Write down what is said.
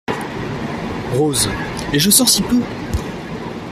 Rose Et je sors si peu !